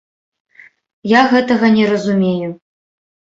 Я гэтага не разумею.